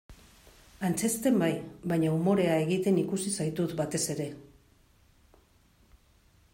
Antzezten bai, baina umorea egiten ikusi zaitut batez ere.